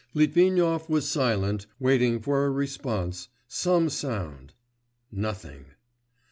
Litvinov was silent, waiting for a response, some sound.... Nothing!